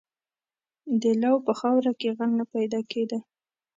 • د لو په خاوره کې غل نه پیدا کېده.